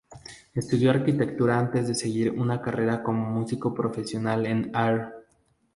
Estudió arquitectura antes de seguir una carrera como músico profesional en Air.